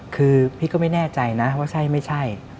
คือพี่ก็ไม่แน่ใจนะว่าใช่ไม่ใช่